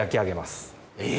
え